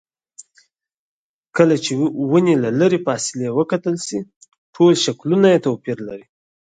کله چې ونې له لرې فاصلې وکتل شي ټول شکلونه یې توپیر لري.